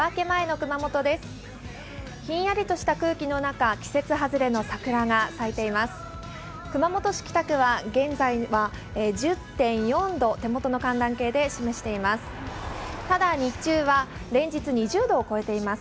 熊本市北区は現在は１０．４度手元の寒暖計で示しています。